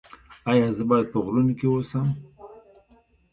ایا زه باید په غرونو کې اوسم؟